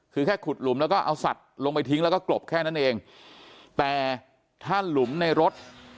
คือแค่ขุดหลุมแล้วก็เอาสัตว์ลงไปทิ้งแล้วก็กลบแค่นั้นเองแต่ถ้าหลุมในรถ